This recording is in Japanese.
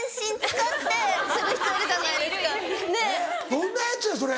どんなヤツやそれ！